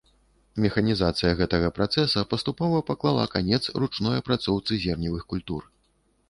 Механізацыя гэтага працэса паступова паклала канец ручной апрацоўцы зерневых культур.